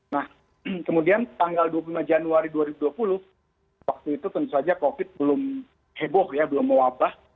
nah kemudian tanggal dua puluh lima januari dua ribu dua puluh waktu itu tentu saja covid belum heboh ya belum mewabah